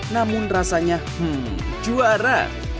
namun rasanya hmm juara